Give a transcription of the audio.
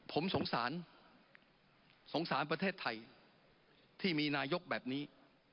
ผมสงสารสงสารประเทศไทยที่มีนายกแบบนี้